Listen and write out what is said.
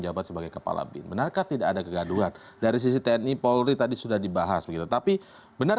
kapa bahasa inggris ini dianggap kebetulan rasional